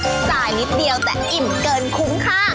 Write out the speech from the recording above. จ่ายนิดเดียวแต่อิ่มเกินคุ้มค่า